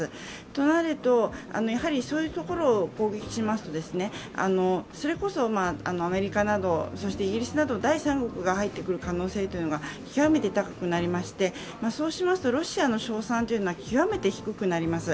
となると、そういうところを攻撃しますとそれこそアメリカやイギリスなど第三国が入ってくる可能性が極めて高くなりまして、そうしますとロシアの勝算というのは、極めて低くなります。